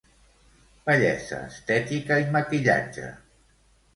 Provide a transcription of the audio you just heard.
Bellesa, estètica i maquillatge.